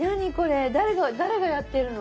誰が誰がやってるの？